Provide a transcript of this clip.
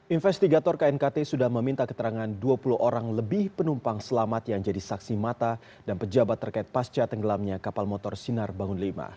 investigator knkt sudah meminta keterangan dua puluh orang lebih penumpang selamat yang jadi saksi mata dan pejabat terkait pasca tenggelamnya kapal motor sinar bangun v